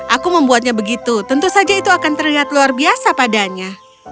aku membuatnya begitu tentu saja itu akan terlihat luar biasa padanya